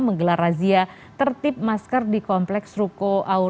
menggelar razia tertip masker di kompleks ruko auri blok e pasar tanahabang